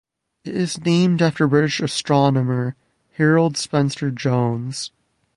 It is named after British astronomer Harold Spencer Jones.